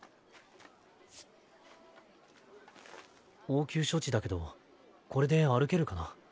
応急処置だけどこれで歩けるかな。